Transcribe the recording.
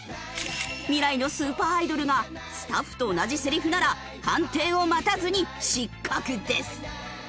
未来のスーパーアイドルがスタッフと同じセリフなら判定を待たずに失格です。